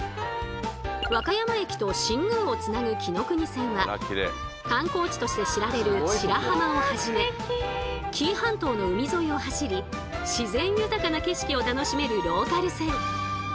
和歌山駅と新宮をつなぐきのくに線は観光地として知られる白浜をはじめ紀伊半島の海沿いを走り自然豊かな景色を楽しめるローカル線。